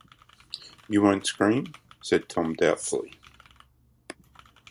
“You won’t scream?” said Tom doubtfully.